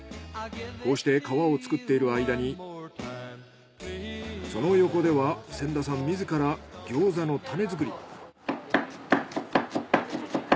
こうして皮を作っている間にその横では仙田さん自ら餃子のタネ作り。